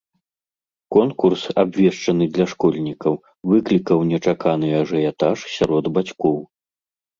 Конкурс, абвешчаны для школьнікаў, выклікаў нечаканы ажыятаж сярод бацькоў.